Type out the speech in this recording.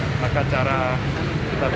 maka cara kita berpikir